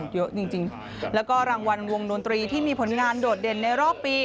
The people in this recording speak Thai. เยอะจริงแล้วก็รางวัลวงดนตรีที่มีผลงานโดดเด่นในรอบปี